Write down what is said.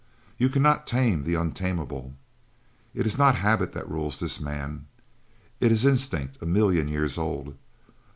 You cannot tame the untameable. It is not habit that rules this man. It is instinct a million years old.